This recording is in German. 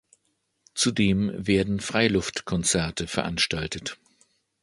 Zudem werden Freiluftkonzerte veranstaltet.